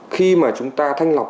khi mà chúng ta thanh lòng